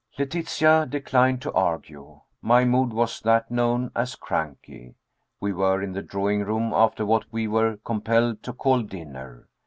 Letitia declined to argue. My mood was that known as cranky. We were in the drawing room, after what we were compelled to call dinner.